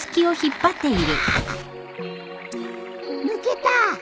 抜けた。